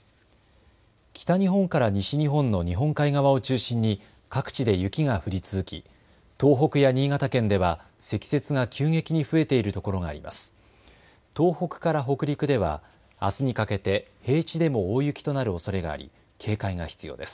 北日本から西日本の日本海側を中心に各地で雪が降り続き東北や新潟県では積雪が急激に増えているところがあります。